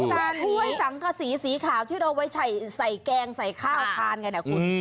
จานถ้วยสังกษีสีขาวที่เราไว้ใส่แกงใส่ข้าวทานกันนะคุณ